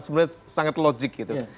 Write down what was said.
sebenarnya sangat logik gitu